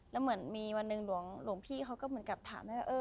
แล้วเหมือนมีวันหนึ่งหลวงพี่เขาก็เหมือนกับถามให้ว่า